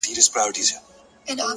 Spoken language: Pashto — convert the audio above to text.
پرمختګ له دوامداره هڅې زېږي!